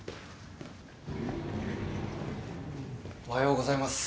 おはようございます。